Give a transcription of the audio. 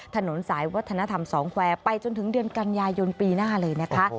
ถนนสายวัฒนธรรมสองแควร์ไปจนถึงเดือนกันยายนปีหน้าเลยนะคะ